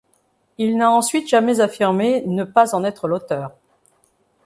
Il n'a ensuite jamais affirmé ne pas en être l'auteur.